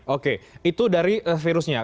oke itu dari virusnya